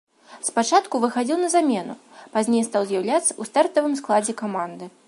Спачатку выхадзіў на замену, пазней стаў з'яўляцца ў стартавым складзе каманды.